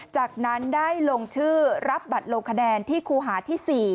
จากนั้นได้ลงชื่อรับบัตรลงคะแนนที่คูหาที่๔